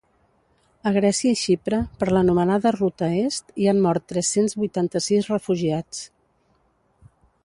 A Grècia i Xipre, per l’anomenada ruta est, hi han mort tres-cents vuitanta-sis refugiats.